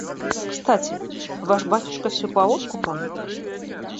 Кстати, ваш батюшка все по откупам?